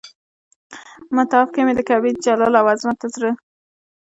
مطاف کې مې د کعبې جلال او عظمت ته زړه.